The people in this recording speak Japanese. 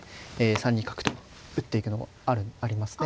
３二角と打っていくのもありますね。